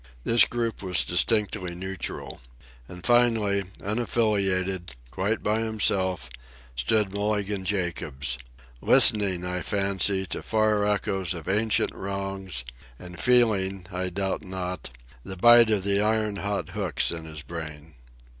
This group was distinctly neutral. And, finally, unaffiliated, quite by himself, stood Mulligan Jacobs—listening, I fancy, to far echoes of ancient wrongs, and feeling, I doubt not, the bite of the iron hot hooks in his brain.